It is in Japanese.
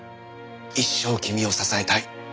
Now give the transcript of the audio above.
一生君を支えたい。